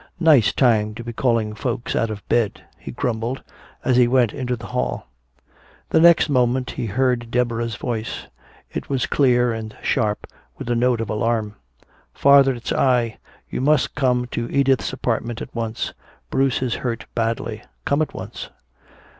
"Nice time to be calling folks out of bed," he grumbled, as he went into the hall. The next moment he heard Deborah's voice. It was clear and sharp with a note of alarm. "Father it's I! You must come to Edith's apartment at once! Bruce is hurt badly! Come at once!"